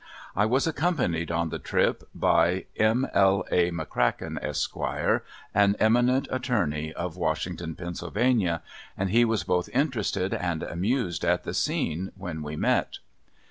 I was accompanied on the trip by M. L. A. McCracken, Esq., an eminent attorney, of Washington, Pa., and he was both interested and amused at the scene when we met.